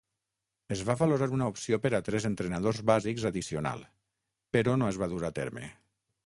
Es va valorar una opció per a tres entrenadors bàsics addicional, però no es va dur a terme.